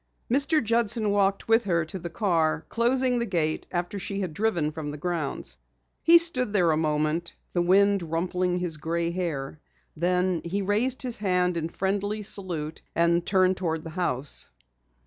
Mr. Judson walked with her to the car, closing the gate after she had driven from the grounds. He stood there a moment, the wind rumpling his gray hair. Then he raised his hand in friendly salute and turned toward the house.